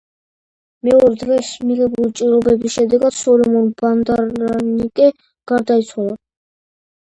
მეორე დღეს მიღებული ჭრილობების შედეგად სოლომონ ბანდარანაიკე გარდაიცვალა.